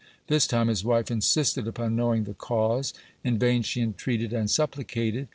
This time his wife insisted upon knowing the cause. In vain she entreated and supplicated.